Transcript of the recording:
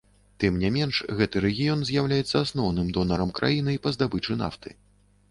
Тым не менш, гэты рэгіён з'яўляецца асноўным донарам краіны па здабычы нафты.